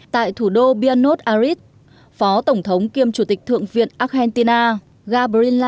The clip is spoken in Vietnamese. tại thủ đô pianos aris phó tổng thống kiêm chủ tịch thượng viện argentina gabriela mcentee đã tiếp thứ trưởng đỗ thắng hải